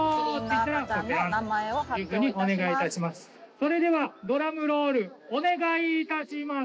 それではドラムロールお願いいたします！